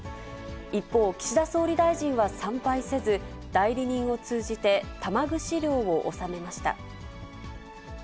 一方、岸田総理大臣は参拝せず、代理人を通じて玉串料を納めました。